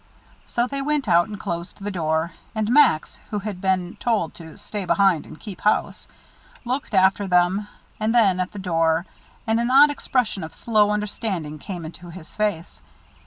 So they went out, and closed the door; and Max, who had been told to "stay behind and keep house," looked after them, and then at the door, and an odd expression of slow understanding came into his face.